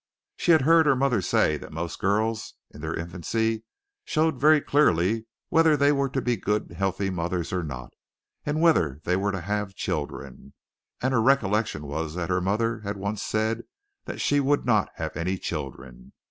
She had heard her mother say that most girls in their infancy showed very clearly whether they were to be good healthy mothers or not whether they were to have children and her recollection was that her mother had once said that she would not have any children.